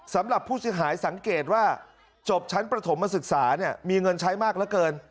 สำหรับผู้เสียหายสังเกตว่าจบชั้นประถมศึกษาเนี่ยมีเงินใช้มากเหลือเกิน